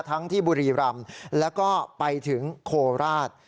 ที่บุรีรำแล้วก็ไปถึงโคราช